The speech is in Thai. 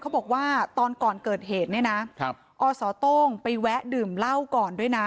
บอกว่าตอนก่อนเกิดเหตุเนี่ยนะอสโต้งไปแวะดื่มเหล้าก่อนด้วยนะ